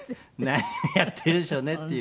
何をやっているんでしょうねっていう。